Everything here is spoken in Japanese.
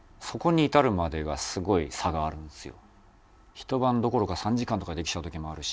ひと晩どころか３時間とかでできちゃう時もあるし。